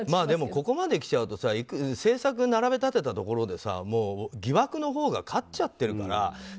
でもここまで来ちゃうと政策を並べ立てたところでもう疑惑のほうが勝っちゃってるから。